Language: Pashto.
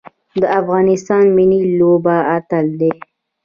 د افغانستان ملي لوبه اتن دی